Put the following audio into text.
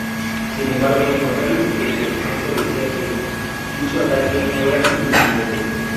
Sin embargo, su análisis de inteligencia decía que dicho ataque no era inminente.